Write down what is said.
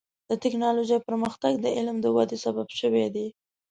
د ټکنالوجۍ پرمختګ د علم د ودې سبب شوی دی.